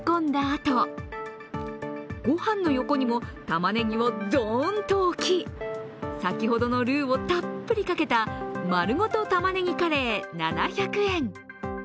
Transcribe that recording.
あと御飯の横にもたまねぎをドーンと置き先ほどのルーをたっぷりかけた丸ごと玉ねぎカレー７００円。